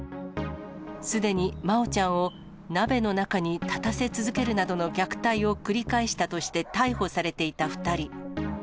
すでに真愛ちゃんを鍋の中に立たせ続けるなどの虐待を繰り返したとして逮捕されていた２人。